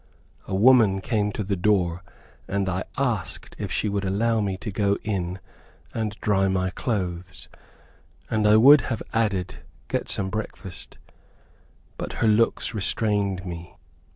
A woman came to the door, and I asked if she would allow me to go in, and dry my clothes, and I would have added, get some breakfast, but her looks restrained me.